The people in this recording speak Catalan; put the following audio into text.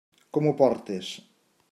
Com ho portes?